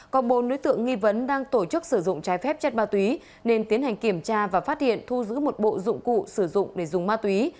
có bốn đối tượng nghi vấn đang tổ chức sử dụng trái phép chất ma túy nên tiến hành kiểm tra và phát hiện thu giữ một bộ dụng cụ sử dụng để dùng ma túy